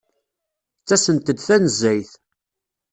Ttasent-d tanezzayt.